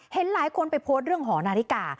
เห็นหลายคนไปโพสต์เรื่องหอนาฬิกา